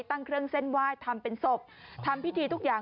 ตั้งเครื่องเส้นไหว้ทำเป็นศพทำพิธีทุกอย่าง